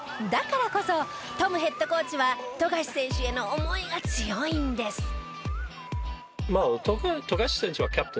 だからこそトムヘッドコーチは富樫選手への思いが強いんです。